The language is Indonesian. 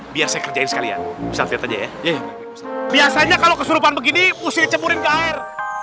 biasanya kalau kesurupan begini musti dicemurin ke air